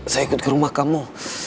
saya ikut ke rumah kamu